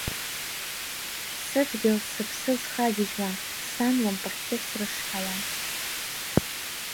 Сыдгьыл сыԥсы зхагьежьуа, сан лымпахьшьы срышҳауан.